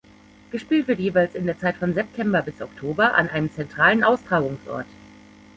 Gespielt wird jeweils in der Zeit von September bis Oktober an einem zentralen Austragungsort.